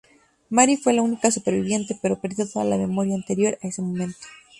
Mari fue la única superviviente, pero perdió toda la memoria anterior a ese momento.